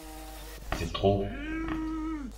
C’est trop.